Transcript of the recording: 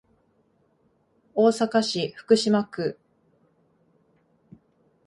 大阪市福島区